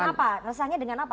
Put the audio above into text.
dengan apa resahnya dengan apa